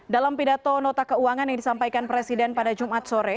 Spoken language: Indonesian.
dalam pidato nota keuangan yang disampaikan presiden pada jumat sore